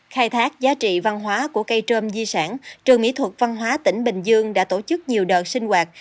khai thác giá trị văn hóa của cây trơm di sản trường mỹ thuật văn hóa tỉnh bình dương đã tổ chức nhiều đợt sinh hoạt